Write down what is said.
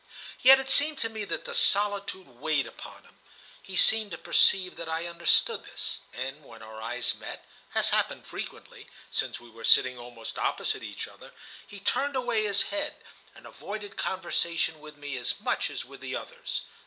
Yet it seemed to me that the solitude weighed upon him. He seemed to perceive that I understood this, and when our eyes met, as happened frequently, since we were sitting almost opposite each other, he turned away his head, and avoided conversation with me as much as with the others.